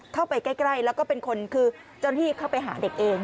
เข้าไปใกล้แล้วก็เป็นคนคือเจ้าหน้าที่เข้าไปหาเด็กเอง